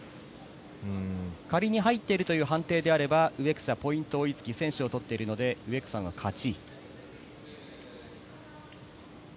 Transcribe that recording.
仮に入っているという判定であれば植草ポイント追いつき先取を取っているので植草の勝ち。